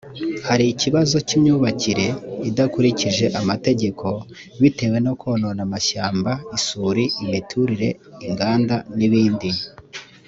hari ikibazo cy’imyubakire idakurikije amategeko bitewe no konona amashyamba isuri imiturire inganda n’ibindi